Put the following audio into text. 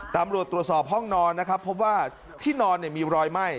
ตำรวจตรวจสอบห้องนอนนะครับพบว่าที่นอนมีรอยไหม้